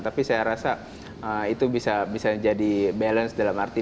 tapi saya rasa itu bisa jadi balance dalam arti